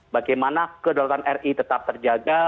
bagaimana kedaulatan ri tetap terjaga